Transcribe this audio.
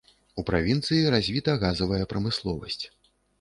У правінцыі развіта газавая прамысловасць.